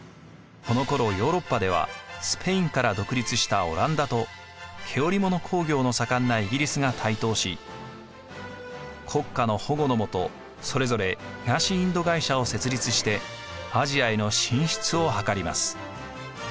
このころヨーロッパではスペインから独立したオランダと毛織物工業の盛んなイギリスが台頭し国家の保護のもとそれぞれ東インド会社を設立してアジアへの進出を図ります。